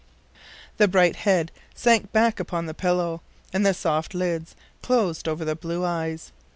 " The bright head sank back upon the pillow and the soft lids closed over the blue eyes.